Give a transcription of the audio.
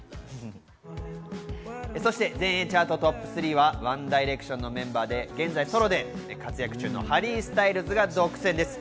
そして全英チャートＴＯＰ３はＯＮＥＤＩＲＥＣＴＩＯＮのメンバーで現在ソロで活躍中のハリー・スタイルズが独占です。